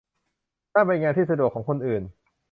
นั่นเป็นงานที่สะดวกของคนอื่น